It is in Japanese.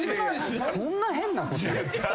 そんな変なこと。